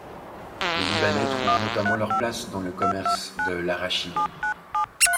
Les Libanais trouvent notamment leur place dans le commerce de l'arachide.